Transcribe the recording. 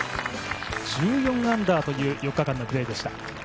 １４アンダーという４日間のプレーでした。